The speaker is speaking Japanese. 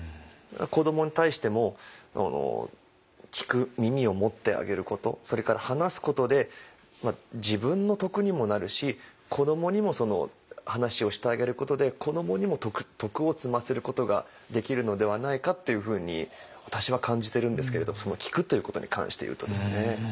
子どもに対しても聞く耳を持ってあげることそれから話すことで自分の徳にもなるし子どもにもその話をしてあげることで子どもにも徳を積ませることができるのではないかっていうふうに私は感じてるんですけれどその聴くということに関していうとですね。